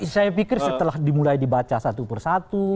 saya pikir setelah dimulai dibaca satu per satu